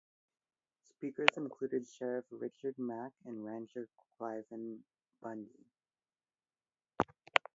Speakers included Sheriff Richard Mack and rancher Cliven Bundy.